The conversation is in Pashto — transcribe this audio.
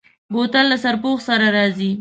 بوتل له سرپوښ سره راځي.